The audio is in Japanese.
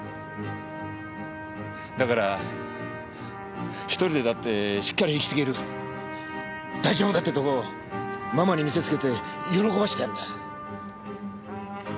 だから一人でだってしっかり生きていける大丈夫だってとこをママに見せつけて喜ばしてやるんだ。